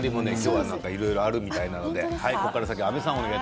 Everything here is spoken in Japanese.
その辺り、いろいろあるみたいなので。